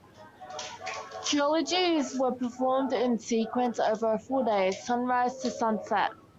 Trilogies were performed in sequence over a full day, sunrise to sunset.